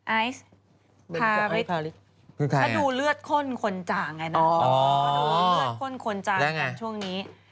อายสพาริกถ้าดูเลือดข้นขนจางไงแล้วไง